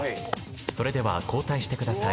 それでは交代してください。